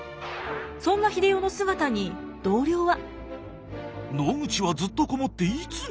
そんな英世の姿に同僚は。